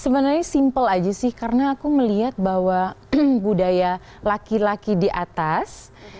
sebenarnya simpel aja sih karena aku melihat bahwa budaya laki laki di atas